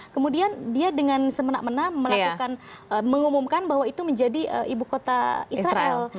kemudian dia dengan semenak mena melakukan mengumumkan bahwa itu menjadi ibu kota israel